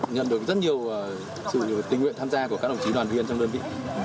nhận được rất nhiều sự tình nguyện tham gia của các đồng chí đoàn viên trong đơn vị